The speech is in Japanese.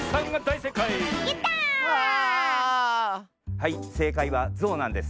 はいせかいは「ゾウ」なんです。